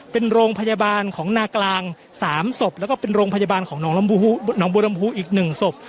เป็นโรงพยาบาลของนากลางสามศพแล้วก็เป็นโรงพยาบาลของนองลำภูนองบูรรณภูอีกหนึ่งศพ